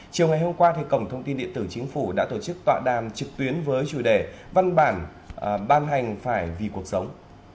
chiều ngày hôm qua cổng thông tin điện tử chính phủ đã tổ chức tọa đàm trực tuyến với chủ đề văn bản ban hành phải vì cuộc sống